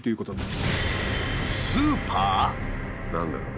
何でだろう？